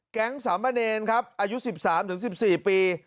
แก๊งสามเมอร์เนนครับอายุ๑๓๑๔ปี